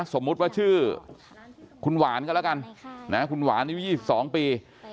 สมมุติว่าชื่อคุณหวานก็แล้วกันคุณหวานอายุ๒๒ปี